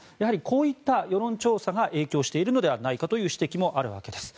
こういった世論調査が影響しているのではないかという指摘もあるわけです。